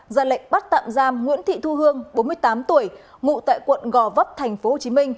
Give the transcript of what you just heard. ra lệnh bắt tạm giam nguyễn thị thu hương bốn mươi tám tuổi ngụ tại quận gò vấp tp hcm